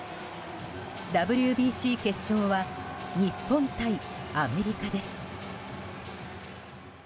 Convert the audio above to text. ＷＢＣ決勝は日本対アメリカです。